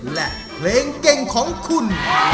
และเพลงเก่งของคุณ